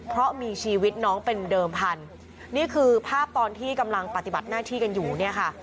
เพราะมีชีวิตน้องเป็นเดิมพันธุ์นี่คือภาพตอนที่กำลังปฏิบัติหน้าที่กันอยู่เนี่ยค่ะ